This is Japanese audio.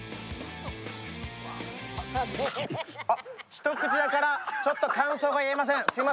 ひとくちだから、ちょっと感想が言えません。